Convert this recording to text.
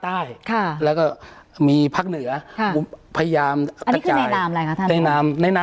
อันนี้คือในนามอะไรคะท่าน